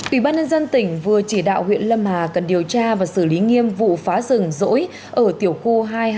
ủy ban nhân dân tỉnh vừa chỉ đạo huyện lâm hà cần điều tra và xử lý nghiêm vụ phá rừng rỗi ở tiểu khu hai trăm hai mươi hai